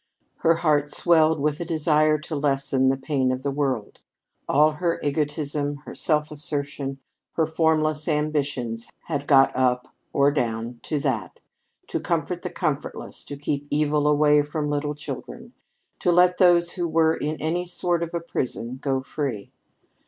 Her heart swelled with a desire to lessen the pain of the world. All her egotism, her self assertion, her formless ambitions had got up, or down, to that, to comfort the comfortless, to keep evil away from little children, to let those who were in any sort of a prison go free.